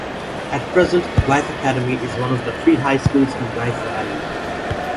At present, The Blyth Academy is one of three high schools in Blyth Valley.